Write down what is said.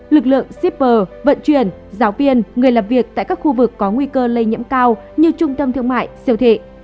lực lượng shipper vận chuyển giáo viên người làm việc tại các khu vực có nguy cơ lây nhiễm cao như trung tâm thương mại siêu thị